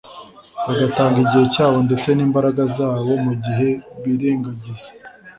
bagatanga igihe cyabo ndetse n'imbaraga zabo mu gihe birengagiza